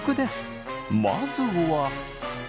まずは。